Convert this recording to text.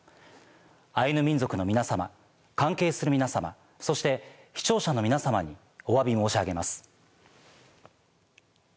アイヌ民族の皆様関係する皆様そして視聴者の皆様にお詫び申し上げます。